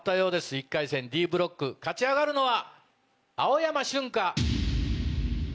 １回戦Ｄブロック勝ち上がるのは。